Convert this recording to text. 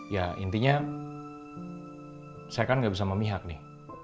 ya intinya saya kan gak bisa memihak nih